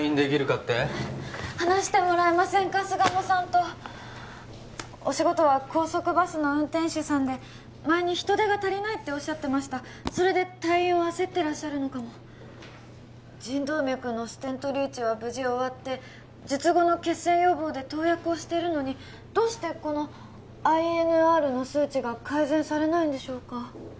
はい話してもらえませんか巣鴨さんとお仕事は高速バスの運転手さんで前に人手が足りないっておっしゃってましたそれで退院を焦ってらっしゃるのかも腎動脈のステント留置は無事終わって術後の血栓予防で投薬をしてるのにどうしてこのＩＮＲの数値が改善されないんでしょうか？